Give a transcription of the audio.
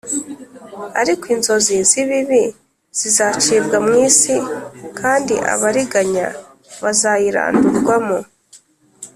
ariko inkozi z’ibibi zizacibwa mu isi, kandi abariganya bazayirandurwamo